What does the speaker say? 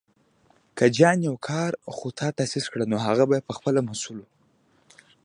که جان يو کارخونه تاسيس کړه، نو هغه به یې پهخپله مسوول و.